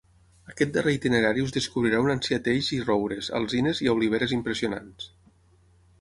Aquest darrer itinerari us descobrirà un ancià teix i roures, alzines i oliveres impressionants.